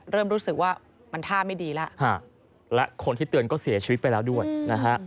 เริ่มรู้สึกว่ามันท่าไม่ดีแล้วและคนที่เตือนก็เสียชีวิตไปแล้วด้วยนะฮะ